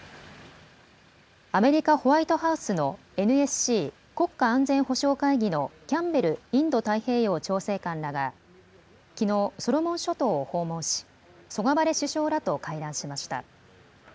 アメリカ、ホワイトハウスのＮＳＣ・国家安全保障会議のキャンベルインド太平洋調整官らが、きのう、ソロモン諸島を訪問し、ソガバレ首相らと会談しました。